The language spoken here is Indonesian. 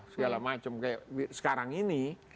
segala macam kayak sekarang ini